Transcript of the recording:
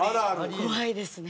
怖いですね。